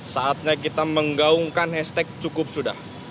saatnya kita menggaungkan hashtag cukup sudah